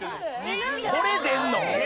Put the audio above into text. これ出るの？